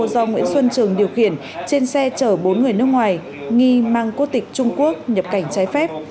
do nguyễn xuân trường điều khiển trên xe chở bốn người nước ngoài nghi mang quốc tịch trung quốc nhập cảnh trái phép